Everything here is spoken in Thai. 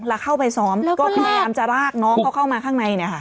แล้วเข้าไปซ้อมก็พยายามจะลากน้องเขาเข้ามาข้างในเนี่ยค่ะ